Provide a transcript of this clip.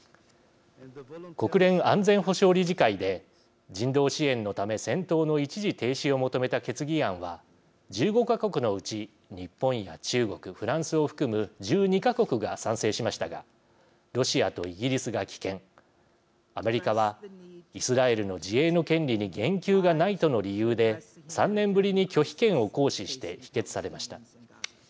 国連安全保障理事会で人道支援のため戦闘の一時停止を求めた決議案は１５か国のうち日本や中国、フランスを含む１２か国が賛成しましたがロシアとイギリスが棄権アメリカはイスラエルの自衛の権利に言及がないとの理由で３年ぶりに拒否権を行使して否決されました。